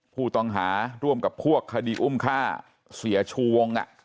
ผู้ต้องหาร่วมกับพวกคดีอุ้มฆ่าเสียชูวง